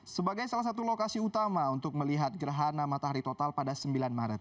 sebagai salah satu lokasi utama untuk melihat gerhana matahari total pada sembilan maret